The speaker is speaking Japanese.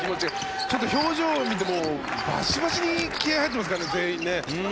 ちょっと表情を見てもバチバチに気合が入ってますから全員。